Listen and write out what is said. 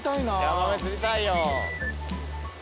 ヤマメ釣りたいよ。